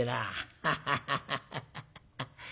ハハハハハ。